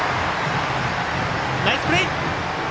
ナイスプレー！